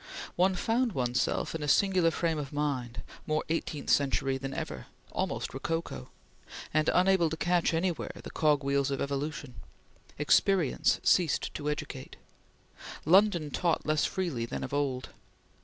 One found one's self in a singular frame of mind more eighteenth century than ever almost rococo and unable to catch anywhere the cog wheels of evolution. Experience ceased to educate. London taught less freely than of old.